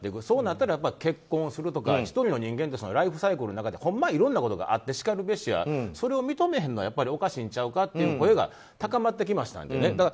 そうなったら、結婚するとか１人の人間としてのライフサイクルの中でいろんなことがあってそれを認めへんのはおかしいんちゃうかっていう声が高まってきましたんでね。